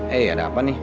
eh ada apa nih